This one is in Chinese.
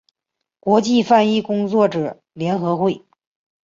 国际翻译工作者联合会